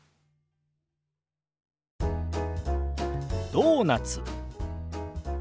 「ドーナツ」。